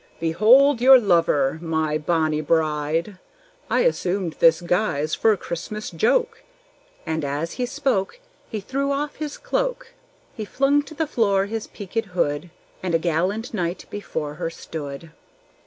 Behold your lover, my bonny bride! I assumed this guise for a Christmas joke." And as he spoke, He threw off his cloak, He flung to the floor his peakèd hood, And a gallant knight before her stood!